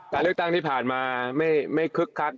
การเลือกตั้งที่ผ่านมาไม่คึกคัก